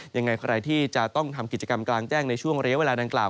ยังไงใครที่จะต้องทำกิจกรรมกลางแจ้งในช่วงเรียกเวลาดังกล่า